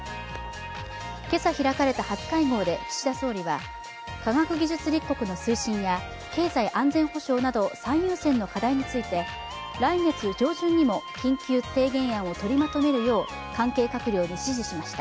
今朝開かれた初会合で岸田総理は科学技術立国の推進や経済安全保障など最優先の課題について来月上旬にも緊急提言案を取りまとめるよう関係閣僚に指示しました。